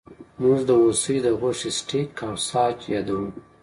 موږ د هوسۍ د غوښې سټیک او ساسج یادوو